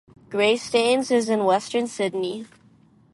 Greystanes is in Western Sydney.